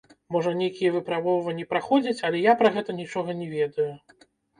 Можа, нейкія выпрабоўванні праходзяць, але я пра гэта нічога не ведаю.